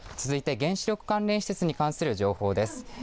続いて原子力発電施設に関する情報です。